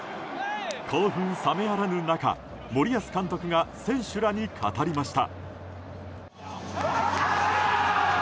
興奮冷めやらぬ中森保監督が選手らに語りました。